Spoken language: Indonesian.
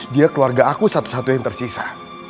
dia keluarga aku satu satu yang tersisa